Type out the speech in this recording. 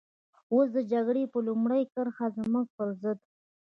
اوس د جګړې په لومړۍ کرښه کې زموږ پر ضد.